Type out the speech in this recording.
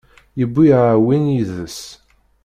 Yewwi aεwin yid-s